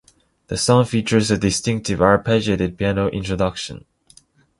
The song features a distinctive arpeggiated piano introduction.